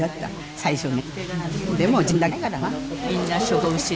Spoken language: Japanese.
最初ね。